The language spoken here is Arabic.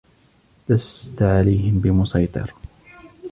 لَسْتَ عَلَيْهِمْ بِمُصَيْطِرٍ